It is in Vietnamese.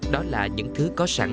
đó là những thứ có sẵn